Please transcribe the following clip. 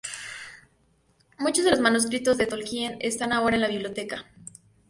Muchos de los manuscritos de Tolkien están ahora en la Biblioteca.